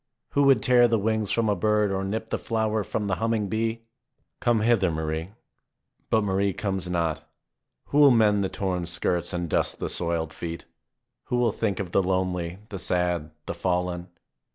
Who would tear the wings from a bird or nip the flower from the humming bee? Come hither, Marie ! But Marie comes not. Who will mend the torn skirts and dust the soiled feet? Who will think of the lonely, the sad, the fallen